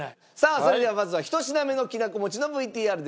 それではまずは１品目のきなこ餅のＶＴＲです。